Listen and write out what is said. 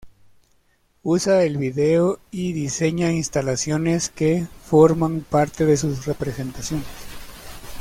Usa el vídeo y diseña instalaciones que forman parte de sus representaciones.